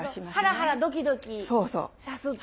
ハラハラドキドキさすっていう。